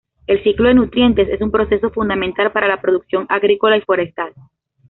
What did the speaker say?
El ciclo de nutrientes es un proceso fundamental para la producción agrícola y forestal.